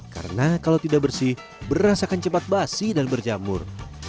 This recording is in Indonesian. karena kalau tidak bersih beras akan cepat basi dan berjamur